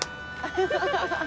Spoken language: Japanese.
ハハハハ。